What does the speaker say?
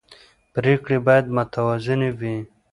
پرېکړې باید متوازنې وي